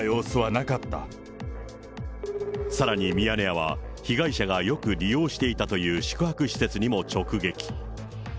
さらにミヤネ屋は、被害者がよく利用していたという宿泊施設にも直撃。